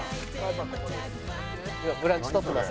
今『ブランチ』撮ってます